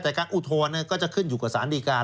แต่การอุทธรณ์ก็จะขึ้นอยู่กับสารดีการ